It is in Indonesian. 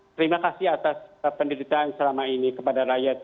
terima kasih atas penderitaan selama ini kepada rakyat